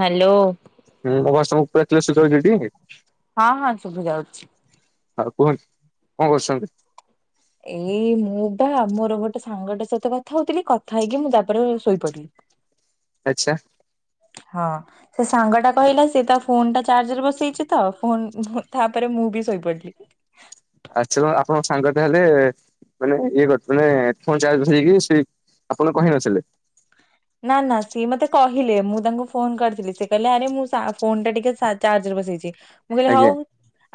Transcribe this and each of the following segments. Hello. ହୁଁ ମୋ voice ତୁମକୁ ପୁରା କ୍ଲିୟର ସୁବା ଯାଉଚି ଟି? ହଁ ହଁ ଶୁବି ଯାଉଛି। ହଉ କୁହନ୍ତୁ କଣ କରୁଛନ୍ତି? ଏଇ ମୁଁ ବା ମୋର ଗୋଟେ ସାଙ୍ଗଟା ସହିତ କଥା ହଉଥିଲି କଥା ହେଇକି ମୁଁ ତାପରେ ଶୋଇପଡିଲି। ଆଛା। ହଁ। ସେ ସାଙ୍ଗ ଟା କହିଲା ସେ ତା ଫୋନ ଟା ଚାର୍ଜରେ ବସେଇଛି ତ ଫୋନ୍ ଫୁନ୍ ତାପରେ ମୁଁ ବି ଶୋଇପଡିଲି। ଆଛା ଆପଣଙ୍କ ସାଙ୍ଗ ତାହେଲେ ମାନେ ଇଏ କରିଥଲେ ମାନେ ଫୋନ୍ ଚାର୍ଜ ବସେଇକି ସେ ଆପଣଙ୍କୁ କହିନଥିଲେ? ନାଁ ନାଁ ସିଏ ମତେ କହିଲେ ମୁଁ ତାଙ୍କୁ ଫୋନ କରିଥିଲି ସେ କହିଲେ ଆରେ ମୁଁ ସା ଫୋନ ଟା ଟିକେ ଚା ଚାର୍ଜରେ ବସେଇଛି ମୁଁ କହିଲି ଆଜ୍ଞା ହଉ।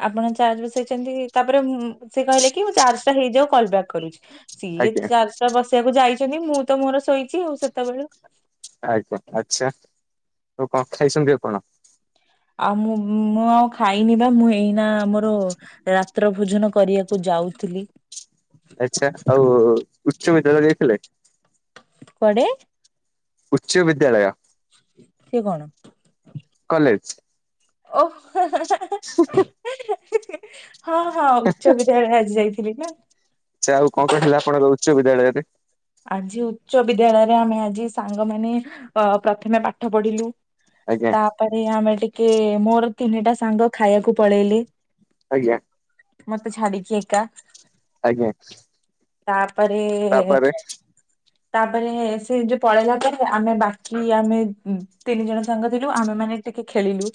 ଆପଣ ଚାର୍ଜ ବସେଇଛନ୍ତି ତାପରେ ମୁଁ ସେ କହିଲେ କି ମୁଁ ଚାର୍ଜ ଟା ହେଇଯାଉ କଲ୍ ବ୍ୟାକ୍ କରୁଛି। ସିଏ ଆଜ୍ଞା ଚାର୍ଜ ଟା ବସିବାକୁ ଯାଇଛନ୍ତି ମୁଁ ତ ମୋର ଶୋଇଛି ଆଉ ସେତେବେଳୁ। ଆଜ୍ଞା ଆଚ୍ଛା ଆଉ କଣ ଖାଇଛନ୍ତି ଆପଣ? ଆଉ ମୁଁ ମୁଁ ଆଉ ଖାଇନି ବା ମୁଁ ଏଇନା ଆମର ରାତ୍ର ଭୋ ଭୋଜନ କରିବାକୁ ଯାଉଥିଲି। ଆଚ୍ଛା ଆଉ ଉଚ୍ଚ ବିଦ୍ୟାଳୟ ଯାଇଥିଲେ। କୁଆଡେ। ଉଚ୍ଚ ବିଦ୍ୟାଳୟ। ସେଏ କଣ? କଲେଜ୍। ଓ ହଁ ହଁ ଉଚ୍ଚ ବିଦ୍ୟାଳୟ ଆଜି ଯାଇ। [inaudible] ଆଛା ଆଉ କଣ କଣ ହେଲା ଆପଣଙ୍କ ଉଚ୍ଚ ବିଦ୍ୟାଳୟରେ। ଆଜି ଉଚ୍ଚ ବିଦ୍ୟାଳୟରେ ଆମେ ଆଜି ସାଙ୍ଗମାନେ ପ୍ରଥମେ ପାଠ ପଢିଲୁ। ଆଜ୍ଞା ତାପରେ ଆମେ ଟିକେ ମୋର ତିନିଟା ସାଙ୍ଗ ଖାଇବାକୁ ପଳେଇଲେ। ଆଜ୍ଞା। ମତେ ଛାଡିକି ଏକା। ଆଜ୍ଞା। ତାପରେ ତାପରେ ତାପରେ ସେ ଯୋଉ ପଳେଇଲା ପରେ ଆମେ ବାକି ଆମେ ତିନି ଜଣ ସାଙ୍ଗ ଥିଲୁ ଆମେ ମାନେ ଟିକେ ଖେଳିଲୁ।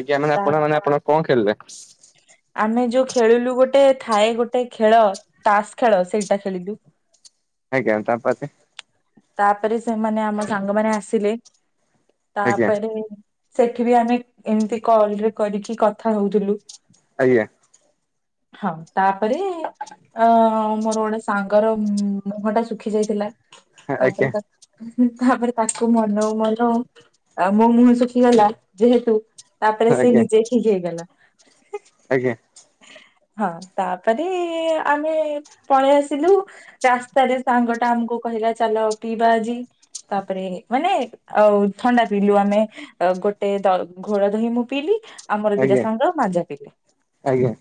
ଆଜ୍ଞା ମାନେ! ତା ଆପଣ ମାନେ, ଆପଣ କଣ ଖେଳିଲେ। ଆମେ ଯୋଉ ଖେଳିଲୁ। ଗୋଟେ ଥାଏ ଗୋଟେ ଖେଳ ତାସ ଖେଳ ସେଇଟା ଖେଳିଲୁ। [unintelligible] ତାପରେ ସେମାନେ ଆମ ସାଙ୍ଗମାନେ ଆସିଲେ ଆଜ୍ଞା ତାପରେ ସେଠି ବି ଆମେ ଏମିତି କଲରେ କରିକି, କଥା ହଉଥିଲୁ। ଆଜ୍ଞା। ହଁ ତାପରେ, ଅ ମୋର ଗୋଟେ ସାଙ୍ଗର ମୁହଁ ଟା ଶୁଖି ଯାଇଥିଲା। ଆଜ୍ଞା ତାପରେ ତାପରେ ତାକୁ ମନଉ ମନଉ ମୋ ମୁହଁ ଶୁଖିଗଲା ଯେହେତୁ ତାପରେ ସେ ଆଜ୍ଞା ନିଜେ ଠିକ ହେଇଗଲା। [unintelligible] ଆଜ୍ଞା। ହଁ ତାପରେ, ଆମେ ପଳେଇ ଆସିଲୁ। ରାସ୍ତାରେ ସାଙ୍ଗ ଟା ଆମକୁ କହିଲା ଚାଲ ପିଇବା ଆଜି ତାପରେ ମାନେ ଆସି ଥଣ୍ଡା ପିଇଲୁ ଆମେ। ଗୋଟେ ଘୋଳ ଦହି ମୁଁ ପିଇଲି। ଆମର ଦିଟା ସାଙ୍ଗର ମାଜା ପିଇଲେ। ଆଜ୍ଞା।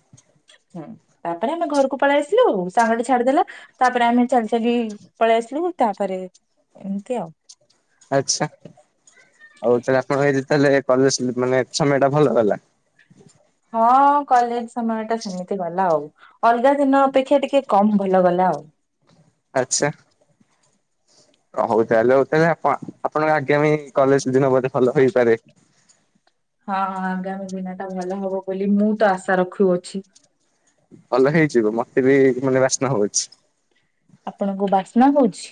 ହୁଁ ତାପରେ ଆମେ ଘରକୁ ପଳେଇ ଆସିଲୁ ଆଉ ସାଙ୍ଗଟେ ଛାଡିଦେଲା। ତାପରେ ଆମେ ଚାଲି ଚାଲି ପଳେଇ ଆସିଲୁ। ତାପରେ ଏମିତି ଆଉ ଆଛା! ଆଉ ତାହେଲେ ଆପଣ କଲେ ସେମାନେ ସମୟ ଟା ଭଲ ହେଲା। ହଁ କଲେଜ ସମୟ ଟା ସେମିତି ଗଲା ଆଉ। ଅଲଗା ଦିନ ଅପେକ୍ଷା, ଟିକେ କମ ଭଲ ଗଲା ଆଉ। ଆଛା! [inaudible] ହଁ, ଆଗାମୀ ଦିନ ଟା ଭଲ ହବ। ବୋଲି ମୁଁ ତ ଆଶା ରଖୁଅଛି। ଭଲ ହେଇଯିବ ମତେ ବି ମାନେ ବାସ୍ନା ହଉଛି। ଆପଣଙ୍କୁ ବାସ୍ନା ହଉଛି?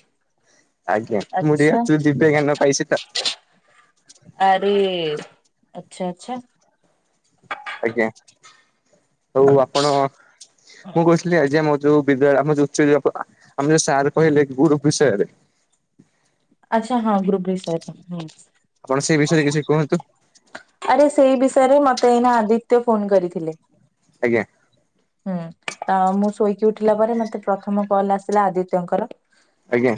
ଆଜ୍ଞା! ମୁଁ ଆଚ୍ଛା ଟିକେ ଦିବ୍ୟଜ୍ଞାନ ପାଇଛି ତ। ଆରେ, ଆଛା ଆଛା। ଆଜ୍ଞା ହଉ ଆପଣ ମୁଁ କହୁଥିଲି ଆଜି ଆମ [inaudible] ଆଚ୍ଛା! ହଁ ଗ୍ରୁପ ବିଷୟ ରେ। ଆପଣ ସେଇ ବିଷୟରେ କିଛି କୁହନ୍ତୁ। ଆରେ ସେଇ ବିଷୟରେ ମତେ ଏଇନା ଆଦିତ୍ୟ ଫୋନ କରିଥିଲେ। ଆଜ୍ଞା। ହୁଁ, ତ ମୁଁ ଶୋଇକି ଉଠିଲା ପରେ। ମତେ ପ୍ରଥମ କଲ ଆସିଲା ଆଦିତ୍ୟଙ୍କର। ଆଜ୍ଞା।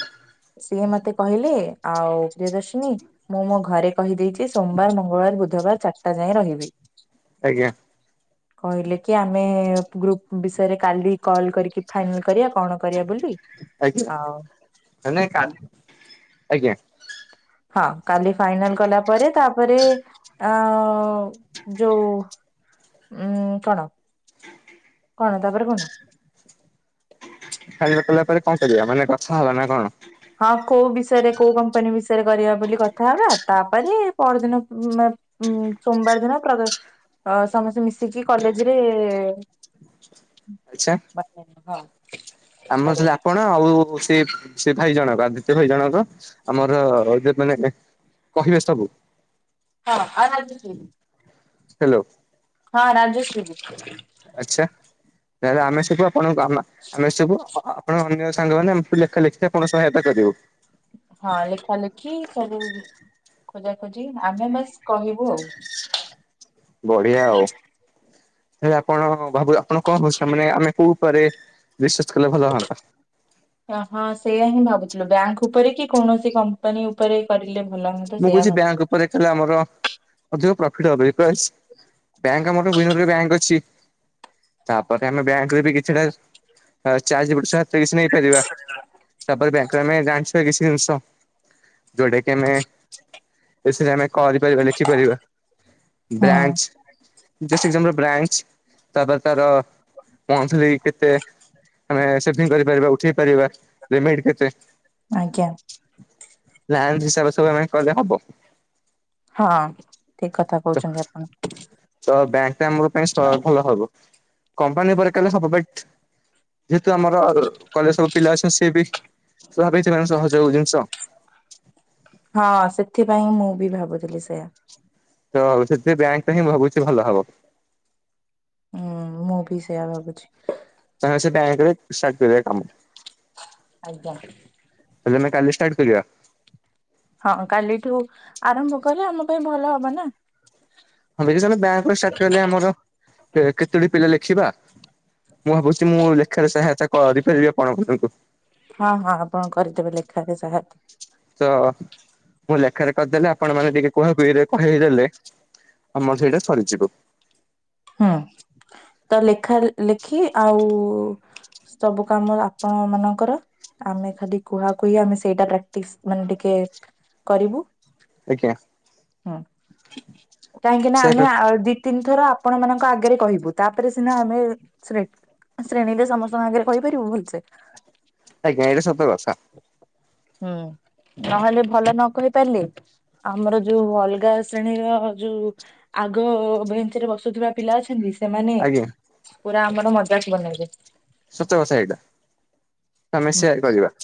ସିଏ ମତେ କହିଲେ ଆଉ, ପ୍ରିୟଦର୍ଶିନୀ। ମୁଁ ମୋ ଘରେ କହିଦେଇଛି ସୋମବାର, ମଙ୍ଗଳବାର, ବୁଧବାର, ଚାରଟା ଯାଏଁ ରହିବା ପାଇଁ। ଆଜ୍ଞା। କହିଲେ କି ଆମେ ଗ୍ରୁପ ବିଷୟରେ କାଲି କଲ କରିକି ଫାଇନାଲ କରିବା। କଣ କରିବା ବୋଲି ଆଉ ହୋଇ କାଲି। ଆଜ୍ଞା। ହଁ କାଲି, ଫାଇନାଲ କଲା ପରେ ତାପରେ ଆ ଯୋଉ ଉ କଣ କଣ ତାପରେ କଣ? ଖାଲି ପକେଇଲା ପରେ କଣ କରିବା ମାନେ କଥା ହେଲା ନା କଣ? ହଁ କୋଉ ବିଷୟରେ କୋଉ କମ୍ପାନୀ ବିଷୟରେ କରିବା ବୋଲି କଥାହବା ତାପରେ ପରଦିନ ଉ ସୋମବାର ଦିନ ପ୍ରଦ ସମସ୍ତେ ମିଶିକି କଲେଜରେ ଆଚ୍ଛା। [unintelligible] ଆମର କରିବା। ସେ ଆପଣ ଆଉ ସେ ସେ ଭାଇ ଜଣଙ୍କ ଆଦିତ୍ୟ ଭାଇ ଜଣଙ୍କ ଆମର ଯୋ ମାନେ କହିବେ ସବୁ। ହଁ। [unintelligible] ହେଲୋ। ହଁ ରାଜେଶ୍ରୀ ବି। ଆଚ୍ଛା ତାହେଲେ ଆମେ ସବୁ ଆପଣଙ୍କୁ ଆମ ଆମେ ସବୁ ଆପଣଙ୍କ ଅନ୍ୟ ସାଙ୍ଗମାନେ ଲେଖା ଲେଖି ଆପଣ ସହାୟତା କରିବ। ହଁ ଲେଖା ଲେଖି ସବୁ ଖୋଜା ଖୋଜି ଆମେ ବାସ୍ କହିବୁ ଆଉ। ବଢିଆ ଆଉ। ହେଲେ ଆପଣ ଭାବୁ ଆପଣ କଣ ଭସା ମାନେ ଆମେ କୋଉ ଉପରେ ରିସର୍ଚ୍ଚ କଲେ ଭଲ ହୁଅନ୍ତା। ହଁ ହଁ ସେୟଆ ହିଁ ଭାବୁଥିଲୁ ବ୍ୟାଙ୍କ ଉପରେ କି କୌଣସି କମ୍ପାନୀ ଉ ଉପରେ କରିଲେ ଭଲ ହୁଅନ୍ତା ସେୟା ଭାବୁଥିଲି। ହେଲା ଆମର ଅଧିକ ପ୍ରଫିଟ ହବ ବିକ ପ୍ରାଇସ ବ୍ୟାଙ୍କ ଆମର [unintelligible] ବ୍ୟାଙ୍କ ଅଛି। ତାପରେ ଆମେ ବ୍ୟାଙ୍କରେ ବି କିଛିଟା ଚାର୍ ଯିପିଟ୍ ସାର୍ କିଛି ନେଇପାରିବା ତାପରେ ବ୍ୟାଙ୍କରେ ଆମେ ଜାଣିଛିବା କିଛି ଜିନିଷ ଯୋଉଟା କି ଆମେ ବେଶି ନା ଆମେ କରିପାରିବା ଲେଖିପାରିବା। ହୁଁ ବ୍ରାଞ୍ଚ ଜଷ୍ଟ ଏଜାମ୍ପ ରେ ବ୍ରାଞ୍ଚ। ତାପରେ ତାର ମନ୍ଥଲି କେତେ ଆମେ ସେଟିଂ କରିପାରିବା ଉଠେଇ ପାରିବା ପେମେଣ୍ଟ କେତେ ଆଜ୍ଞା। ବ୍ରାଞ୍ଚ ହିସାବରେ ସବୁ ଆମେ କଲେ ହବ। ହଁ ଠିକ କଥା ତ କହୁଛନ୍ତି ଆପଣ। ତ ବ୍ୟାଙ୍କ ଟା ଆମ ପାଇଁ ଭଲ ହବ କମ୍ପାନୀ ପରେ କଲେ ସବୁ ଦିପେଣ୍ଟ ଯେହେତୁ ଆମର କଲେଜ ସବୁ ପିଲା ଅଛନ୍ତି ସିଏ ବି [unintelligible] ସେମାନ ସହଯୋଗ ଜିନିଷ। ହଁ ସେଥିପାଇଁ ମୁଁ ବି ଭାବୁଥିଲି ସେୟା। ତଉ ସେ ବ୍ୟାଙ୍କ ଟା ହିଁ ଭାବୁଛି ଭଲ ହବ। ହୁଁ ମୁଁ ବି ସେଇୟା ଭାବୁଛି। ତାହେଲେ ସେ ବ୍ୟାଙ୍କ ରେ ଷ୍ଟାଟ୍ କରିବା କାମ। ଆଜ୍ଞା। ହେଲେ ଆମେ କାଲି ଷ୍ଟାର୍ଟ କରିବା? ହଁ କାଲିଠୁ ଆରମ୍ଭ କଲେ ଆମ ପାଇଁ ଭଲ ହବ ନା। ହଁ ବିଜି ସାହେବ୍ ବ୍ୟାଙ୍କର ଷ୍ଟାଟ୍ କଲେ ଆମର କେକେତୋଟି ପିଲା ଲେଖିବା? ମୁଁ ଭାବୁଛି ମୁଁ ଲେଖାରେ ସହାୟତା କରିପାରିବି ଆପଣଙ୍କୁ ଉଙ୍କୁ। ହଁ ହଁ ଆପଣ କରିଦେବେ ଲେଖାରେ ସାହାୟତ। ତ ମୁଁ ଲେଖାରେ କରିଦେଲେ ଆପଣ ମାନେ ଟିକେ କୁହା କୁହିରେ କହିଦେଲେ। ଆମର ସେଇଟା ସରିଯିବ। ହୁଁ ତ ଲେଖା ଲେଖି ଆଉ ସବୁ କାମର ଆପଣ ମାନଙ୍କର ଆମେ ଖାଲି କୁହାକୁହି ଆମେ ସେଇଟା ପ୍ରାକ୍ଟିସ୍ ମାନେ ଟିକେ କରିବୁ। ଆଜ୍ଞା। ହୁଁ, କାହିଁକି ନା ସେ ଆମେ ଆଉ ଦି ତିନିଥର ଆ ଆପଣ ମାନଙ୍କ ଆଗରେ କହିବୁ ତାପରେ ସିନା ଆମେ ଶ୍ରେ ଶ୍ରେଣୀରେ ସମସ୍ତଙ୍କ ଆଗରେ କହିପାରିବୁ ଭୁଲଛେ। ଆଜ୍ଞା ଏଇଟା ସତ କଥା। ହୁଁ, ନହେଲେ ଭଲ ନ କହି ପାରିଲି ଆମର ଯୋଉ ଅଲଗା ଶ୍ରେଣୀର ଯୋଉ ଆଗ ଭେଞ୍ଚରେ ବ ସୁଧୁରା ପିଲା ଅଛନ୍ତି ସେମାନେ ଆଜ୍ଞା ପୁରା ଆମର ମଜାକ୍ ବନେଇବେ। ସତ କଥା ଏଇଟା ଆମେ ସେୟା ହିଁ କରିବା।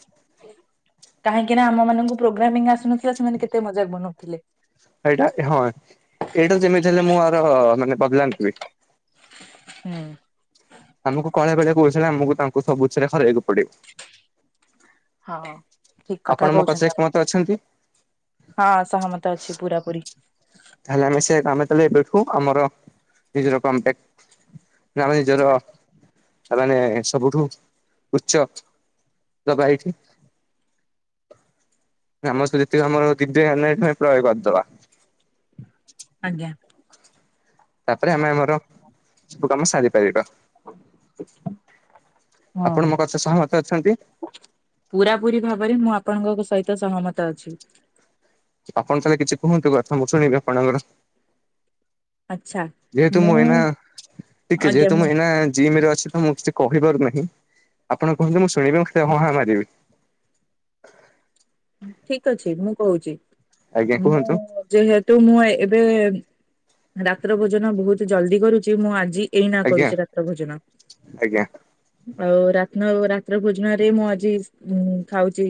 କାହିଁକି ନା ଆମ ମାନଙ୍କୁ ପ୍ରୋଗ୍ରାମିଂ ଆସୁନଥିଲା ସେମାନେ କେତେ ମଜାକ୍ ବନଉଥିଲେ। ଏଇଟା ହଁ ଏଇଟା ଯେମିତି ହେଲେ ମୁଁ ଆର୍ ମାନେ ବଦଲାନ୍ ହୁଏ। ହୁଁ। ଆମକୁ କଅଳିଆ [unintelligible] କହୁଚନ୍ତି ଆମକୁ ତାଙ୍କୁ ସବୁଥିରେ ହରେଇବାକୁ ପଡେ। ହଁ ହଁ ଠିକ୍ କଥା ଆପଣ ମୋ କଥାରେ କହୁଛନ୍ତି ଏକମତ ଅଛନ୍ତି ଆପଣ ହଁ ସହମତ ଅଛି ପୁରା ପୁରି। ତାହାଲେ ଆମେ ସେ କାମ ତାହେଲେ ଏବେଠୁ ଆମର ନିଜର କମ୍ପେଟ୍ ନା ଆମ ନିଜର ସେମାନେ ସବୁଠୁ ଉଚ୍ଚ ଦବା ଏଇଠି। ଆମ ସହ ଯେତିକି ସମୟ ଦିିବିଦିଆନ ଏଠାଇଁ ପ୍ରୟୋଗ କରିଦବା। ଆଜ୍ଞା। ତାପରେ ଆମେ ଆମର ସବୁ କାମ ସାରିପାରିବା। ଆପଣ ମୋ କଥା ସହମତ ଅଛନ୍ତି? ପୁରା ପୁରି ଭାବରେ ମୁଁ ଆପଣଙ୍କ ସହିତ ସହମତ ଅଛି। ଆପଣ ତାହେଲେ କିଛି କୁହନ୍ତୁ କଥା ମୁଁ ଶୁଣିବି ଆପଣଙ୍କର? ଆଚ୍ଛା। ଯେହେତୁ ମୁଁ ଏଇନା ଟିକେ ଯେହେତୁ ମୁଁ ଏଇନା ଜିମ୍ ରେ ଅଛି ମୁଁ କିଛି କହିପାରୁନାହିଁ ଆପଣ କୁହନ୍ତୁ ମୁଁ ଶୁଣିବି ମୁଁ ଖାଲି ହଁ ହାଁ ମାରିବି। ଠିକ୍ ଅଛି ମୁଁ କହୁଚି ଆଜ୍ଞା ମୁଁ କୁହନ୍ତୁ ଯେହେତୁ ମୁଁ ଏବେ ରାତ୍ର ଭୋଜନ ବହୁତ୍ ଜଲ୍ଦୀ କରୁଛି ମୁଁ ଆଜି ଏଇନା ଆଜ୍ଞା କରୁଚି ରାତ୍ର ଭୋଜନ। ଆଜ୍ଞା ଆଉ ରାତ୍ନ ରାତ୍ର ଭୋଜନ୍ ରେ ମୁଁ ଆଜି ଉ ଖାଉଚି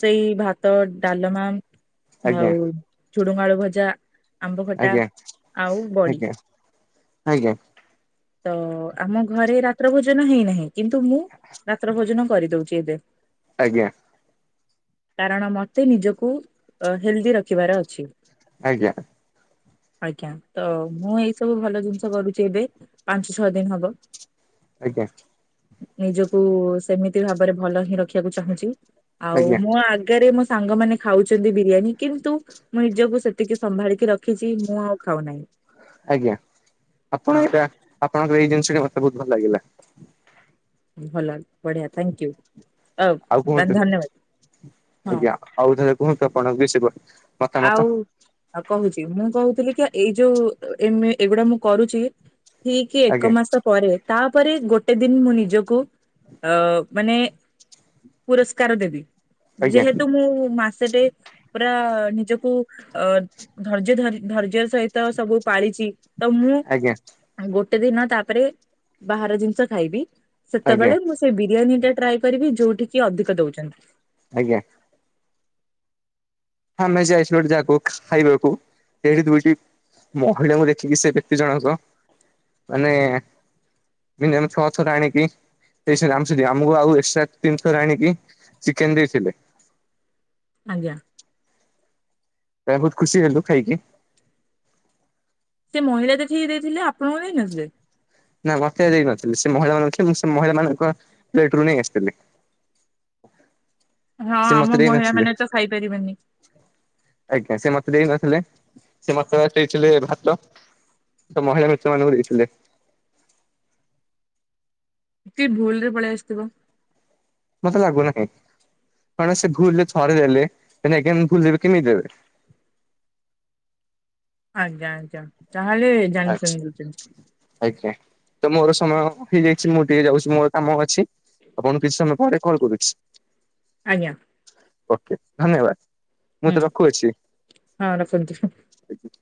ସେଇ ଭାତ, ଡାଲମା ଆଜ୍ଞା ଆଉ ଝୁଡୁଙ୍ଗ ଆଳୁ ଭଜା ଆମ୍ବ ଖଟା ଆଜ୍ଞା ଆଉ ବଡ଼ି। ଆଜ୍ଞା ଆଜ୍ଞା ତ ଆମ ଘରେ ରାତ୍ର ଭୋଜନ ହେଇନାହିଁ କିନ୍ତୁ ମୁଁ ରାତ୍ର ଭୋଜନ କରିଦଉଛି ଏବେ। ଆଜ୍ଞା। କାରଣ ମତେ ନିଜକୁ ହେଲ୍ଦୀ ରଖିବାର ଅଛି। ଆଜ୍ଞା। ଆଜ୍ଞା ତ ମୁଁ ଏଇ ସବୁ ଭଲ ଜିନିଷ କରୁଛି ଏବେ। ପାଞ୍ଚ ଛଅ ଦିନି ହବ। ଆଜ୍ଞା। ନିଜକୁ ସେମିତି ଭାବରେ ଭଲ ହିଁ ରଖିବାକୁ ଚାହୁଁଚି ଆଉ। ଆଜ୍ଞା ଆଜ୍ଞା ହଁ ଆଗରେ ମୋ ସାଙ୍ଗମାନେ ଖାଉଚନ୍ତି ବିରିୟାନୀ କିନ୍ତୁ ମୁଁ ନିଜକୁ ସେତିକି ସମ୍ଭାଳିକି ରଖିଚି ମୁଁ ଆଉ ଖାଉ ନାହିଁ। ଆଜ୍ଞା ଆପଣ ଏଇଟା ଆପଣଙ୍କର ଏଇ ଜିନିଷଟି ମତେ ବହୁତ୍ ଭଲ ଲାଗିଲା। ଭଲ ବଢ଼ିଆ ଥ୍ୟାଙ୍କୟୁ ଅ, ଆଉ ଧନ କୁହନ୍ତୁ ଧନ୍ୟବାଦ ହଁ। ଆଜ୍ଞା ଆଉ ଥରେ କୁହନ୍ତୁ ଆପଣ [unintelligible] ଆଉ ଆଉ କହୁଛି ମୁଁ କହୁଥିଲି କି ଏଇ ଯୋଉ ଅ, ଏମେ ଏଇଗୁଡା ମୁଁ କରୁଛି। ଠିକ ଏକ ଆଜ୍ଞା ମାସ ପରେ ତାପରେ ଗୋଟେ ଦିନ ମୁଁ ନିଜକୁ ଅ, ମାନେ ପୁରସ୍କାର ଦେବି, ଆଜ୍ଞା। ଯେହେତୁ ମୁଁ ମାସେଟେ ପୁରା ନି ଜକୁ ଅ, ଧର୍ଯ୍ୟ ଧରି ଧର୍ଯ୍ୟ ସହିତ ସବୁ ପାଳିଛି, ତ ମୁଁ ଆଜ୍ଞା ଗୋଟେ ଦିନ ତାପରେ ବାହାର ଜିନିଷ ଖାଇବି, ଆଜ୍ଞା ସେତେବେଳେ ମୁଁ ସେ ବିରିୟାନୀ ଟା ଟ୍ରାଏ କରିବି ଯୋଉଠିକି ଅଧିକ ଦଉଛନ୍ତି। ଆଜ୍ଞା। ଆମେ ଯେ ଆାଇସ୍ ଗୋଟେ ଯାକୁ ଖାଇବାକୁ ଏହି ଦୁଇଟି ମହିଳାଙ୍କୁ ଦେଖିକି ସେ ବ୍ୟକ୍ତି ଜଣଙ୍କ ମାନେ ଦିନେ ଏଣୁ ଛଅ ଛଅ ଟା ଆଣିକି ସେଇ ସେ ଆମକୁ ସେମିତି ଆମକୁ ଆଉ ଏକ୍ସଟ୍ରା ତିନି ଥର ଆଣିକି ଚିକେନ୍ ଦେଇଥିଲେ। ଆଜ୍ଞା। ତ ଆମେ ବହୁତ ଖୁସି ହେଲୁ ଖାଇକି। ସେ ମହିଳା ଯେ ଠିକି ଦେଇଥିଲେ ଆପଣଙ୍କୁ ଦେଇ ନଥିଲେ? ନା ମୋତେ ଦେଇନଥିଲେ, ସେ ମହିଳା ମାନଙ୍କ ଖେ-ମୁଁ ସେ ମହିଳା ମାନଙ୍କ ପ୍ଲେଟ୍ ରୁ ନେଇ ଆସିଥିଲି। ହଁ ସେ ମତେ ଆମ ମହିଳା ଦେଇନଥିଲେ ମାନେ ତ ଖାଇପାରିବେନି। ଆଜ୍ଞା ସେ ମୋତେ ଦେଇନଥିଲେ। ସେ ମୋତେ ଦେଇଥିଲେ ଭାତ। ତ ମହିଳା ମିତ୍ରମାନଙ୍କୁ ଦେଇଥିଲେ। କି ଭୁଲ ରେ ପଳେଇ ଆସିଥିବ। ମୋତେ ଲାଗୁନାହିଁ, କଣ ସେ ଭୁଲ ରେ ଥରେ ଦେଲେ, ପୁଣି ଏଗେନ୍ ଭୁଲ ଦେବେ କେମିତି ଦେବେ? ଆଜ୍ଞା, ଆଜ୍ଞା, ତାହେଲେ ଜାଣି ଆଚ୍ଛା ଶୁୁଣି ଦଉଚନ୍ତି। ଆଜ୍ଞା ତ ମୋର ସମୟ ହେଇଯାଇଛି ମୁଁ ଟିକେ ଯାଉଛି ମୋର କାମ ଅଛି। ଆପଣଙ୍କୁ କିଛି ସମୟ ପରେ କଲ୍ କରୁଛି। ଆଜ୍ଞା। ଓକେ ଧନ୍ୟବାଦ, ମୁଁ ହୁଁ ଏଥର ରଖୁଅଛି। ହଁ ରଖନ୍ତୁ। [unintelligible]